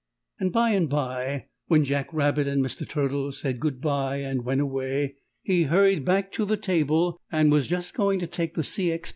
And by and by, when Jack Rabbit and Mr. Turtle said goodby and went away, he hurried back to the table, and was just going to take the C. X.